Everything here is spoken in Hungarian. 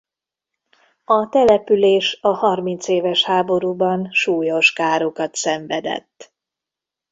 A település a Harmincéves háborúban súlyos károkat szenvedett.